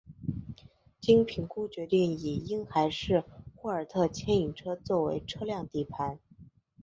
经评估决定以婴孩式霍尔特牵引车作为车辆底盘。